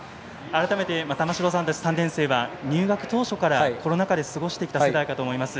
改めて玉城さんたち３年生は入学当初からコロナ禍で過ごしてきた世代かと思います。